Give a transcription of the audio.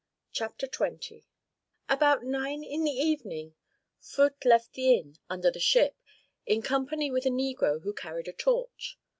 CHAPTER XX About nine in the evening Phut left the inn "Under the Ship" in company with a negro who carried a torch.